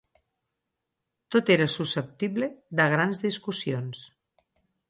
Tot era susceptible de grans discussions.